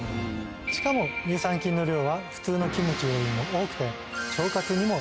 しかも乳酸菌の量は普通のキムチよりも多くて。